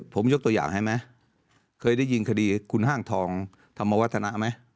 ผมยกตัวอย่างให้ไหมเคยได้ยินคดีคุณห้างทองธรรมวัฒนะไหม